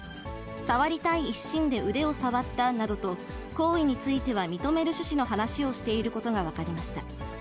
触りたい一心で腕を触ったなどと、行為については認める趣旨の話をしていることが分かりました。